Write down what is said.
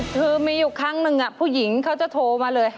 คือมีอยู่ครั้งหนึ่งผู้หญิงเขาจะโทรมาเลย